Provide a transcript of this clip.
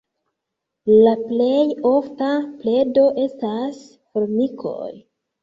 La plej ofta predo estas formikoj.